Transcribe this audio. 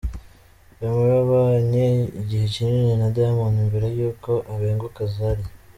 Wema yabanye igihe kinini na Diamond mbere y’uko abenguka Zari.